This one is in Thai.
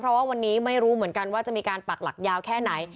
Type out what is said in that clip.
เพราะว่าวันนี้ไม่รู้เหมือนกันว่าจะมีการปักหลักยาวแค่ไหน